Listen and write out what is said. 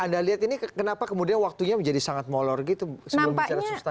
anda lihat ini kenapa kemudian waktunya menjadi sangat molor gitu sebelum bicara substansi